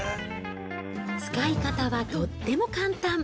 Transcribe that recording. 使い方はとっても簡単。